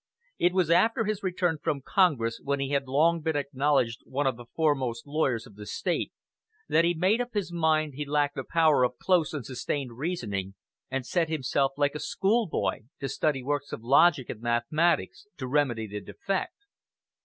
It was after his return from Congress, when he had long been acknowledged one of the foremost lawyers of the State, that he made up his mind he lacked the power of close and sustained reasoning, and set himself like a schoolboy to study works of logic and mathematics to remedy the defect.